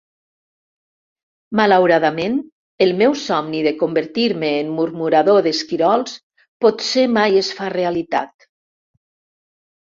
Malauradament, el meu somni de convertir-me en murmurador d'esquirols potser mai es fa realitat.